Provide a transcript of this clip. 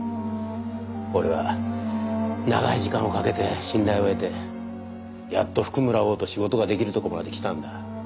俺は長い時間をかけて信頼を得てやっと譜久村翁と仕事が出来るところまで来たんだ。